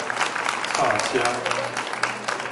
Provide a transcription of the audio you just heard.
插車